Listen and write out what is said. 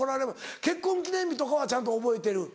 結婚記念日とかはちゃんと覚えてる？